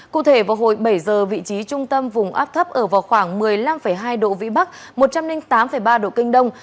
cụ thể vào hồi bảy giờ vị trí trung tâm vùng áp thấp ở vào khoảng một mươi năm hai độ vĩ bắc một trăm linh tám ba độ kinh đông